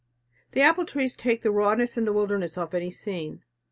The apple tree takes the rawness and wildness off any scene.